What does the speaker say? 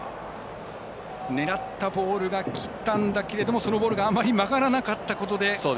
狙ったボールがきたんだけれどもそのボールがあまり曲がらなかったことで。